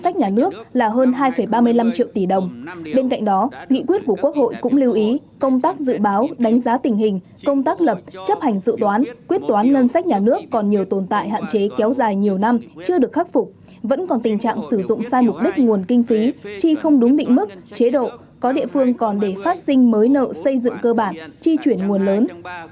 trên cạnh đó nghị quyết của quốc hội cũng lưu ý công tác dự báo đánh giá tình hình công tác lập chấp hành dự toán quyết toán ngân sách nhà nước còn nhiều tồn tại hạn chế kéo dài nhiều năm chưa được khắc phục vẫn còn tình trạng sử dụng sai mục đích nguồn kinh phí chi không đúng định mức chế độ có địa phương còn để phát sinh mới nợ xây dựng cơ bản chi chuyển nguồn lớn